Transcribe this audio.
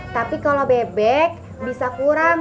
tapi kalau bebek bisa kurang